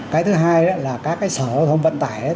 cái thứ hai là các sở hội thông vận tải